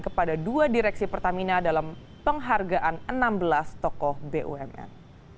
kepada dua direksi pertamina dalam penghargaan enam belas tokoh bumn